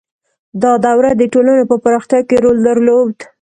• دا دوره د ټولنو په پراختیا کې رول درلود.